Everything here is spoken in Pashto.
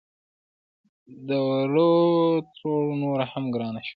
د وړو تروړه نوره هم ګرانه شوه